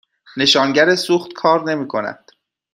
نشانگر سوخت کار نمی کند.